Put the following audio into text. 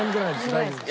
大丈夫です。